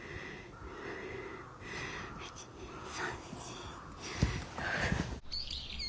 １２３４。